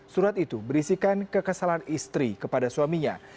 surat itu berisikan kekesalan istri kepada suaminya